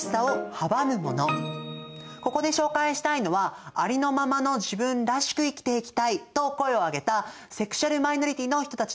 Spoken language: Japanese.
ここで紹介したいのはありのままの自分らしく生きていきたいと声を上げたセクシュアル・マイノリティーの人たちのパレード！